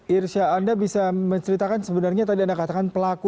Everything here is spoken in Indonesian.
irsya anda bisa menceritakan sebenarnya tadi anda katakan pelaku